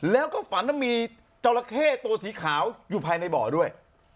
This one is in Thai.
แล้วก็ฝันว่ามีจราเข้ตัวสีขาวอยู่ภายในบ่อด้วย